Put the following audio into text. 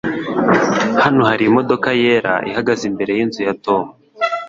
Hano hari imodoka yera ihagaze imbere yinzu ya Tom.